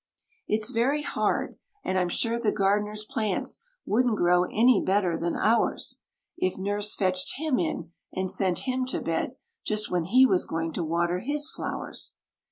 It's very hard, and I'm sure the gardener's plants wouldn't grow any better than ours, If Nurse fetched him in and sent him to bed just when he was going to water his flowers.